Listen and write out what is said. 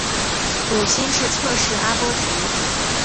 母亲是侧室阿波局。